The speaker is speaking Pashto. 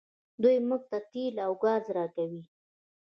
دوی موږ ته تیل او ګاز راکوي.